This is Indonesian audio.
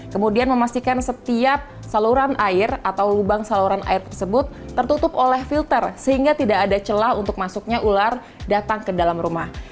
kemudian memastikan setiap saluran air atau lubang saluran air tersebut tertutup oleh filter sehingga tidak ada celah untuk masuknya ular datang ke dalam rumah